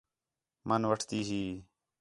من وٹھتی ہَئی